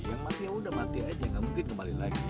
yang mati yaudah mati aja gak mungkin kembali lagi ya kan